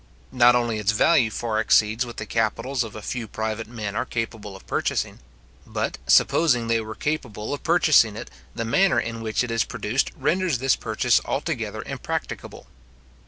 Not only its value far exceeds what the capitals of a few private men are capable of purchasing; but, supposing they were capable of purchasing it, the manner in which it is produced renders this purchase altogether impracticable.